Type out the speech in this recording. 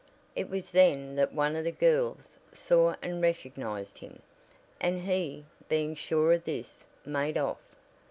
It was then that one of the girls saw and recognized him, and he, being sure of this, made off.